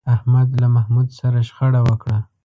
احمد له محمود سره شخړه وکړه.